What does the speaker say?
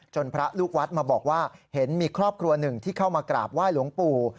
พระลูกวัดมาบอกว่าเห็นมีครอบครัวหนึ่งที่เข้ามากราบไหว้หลวงปู่